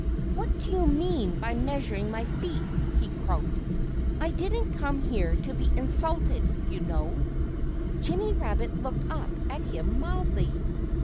"What do you mean by measuring my feet?" he croaked. "I didn't come here to be insulted, you know." Jimmy Rabbit looked up at him mildly.